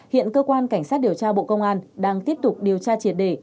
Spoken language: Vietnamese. hiện cơ quan cảnh sát điều tra bộ công an đang tiếp tục điều tra triệt đề